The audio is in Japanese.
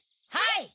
はい！